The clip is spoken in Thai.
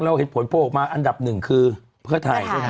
เราเห็นผลโพลออกมาอันดับหนึ่งคือเพื่อไทย